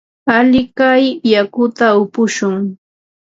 Alikay yakuta upushun.